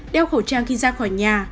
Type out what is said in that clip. đeo khẩu trang khi ra khỏi nhà